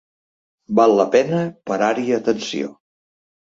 Val la pena parar-hi atenció.